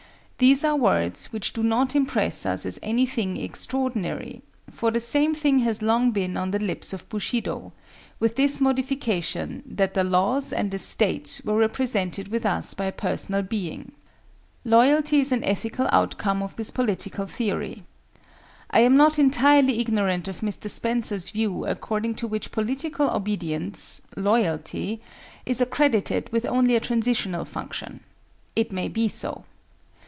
These are words which do not impress us as any thing extraordinary; for the same thing has long been on the lips of Bushido, with this modification, that the laws and the state were represented with us by a personal being. Loyalty is an ethical outcome of this political theory. I am not entirely ignorant of Mr. Spencer's view according to which political obedience—Loyalty—is accredited with only a transitional function. It may be so.